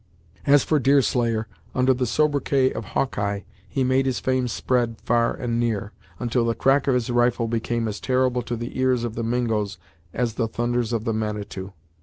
As for the Deerslayer, under the sobriquet of Hawkeye, he made his fame spread far and near, until the crack of his rifle became as terrible to the ears of the Mingos as the thunders of the Manitou.